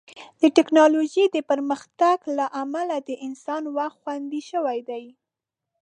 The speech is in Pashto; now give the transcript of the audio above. د ټیکنالوژۍ د پرمختګ له امله د انسان وخت خوندي شوی دی.